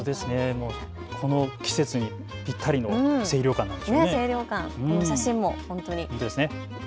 この季節にぴったりの清涼感なんでしょうね。